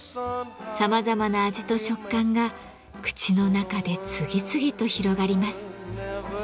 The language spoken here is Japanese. さまざまな味と食感が口の中で次々と広がります。